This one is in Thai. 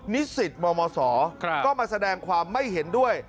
นิสิตมศก็มาแสดงความไม่เห็นด้วย